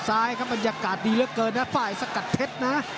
ซ้ายครับบรรยากาศดีเหลือเกินนะฝ่ายสกัดเพชรนะ